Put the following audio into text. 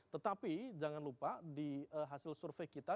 tetapi jangan lupa di hasil survei kita